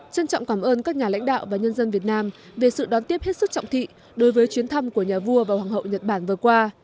trân trọng cảm ơn các nhà lãnh đạo và nhân dân việt nam về sự đón tiếp hết sức trọng thị đối với chuyến thăm của nhà vua và hoàng hậu nhật bản vừa qua